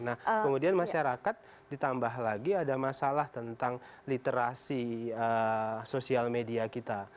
nah kemudian masyarakat ditambah lagi ada masalah tentang literasi sosial media kita